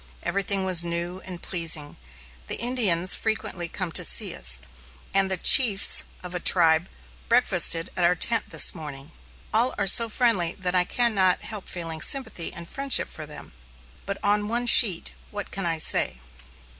Everything was new and pleasing; the Indians frequently come to see us, and the chiefs of a tribe breakfasted at our tent this morning. All are so friendly that I can not help feeling sympathy and friendship for them. But on one sheet what can I say?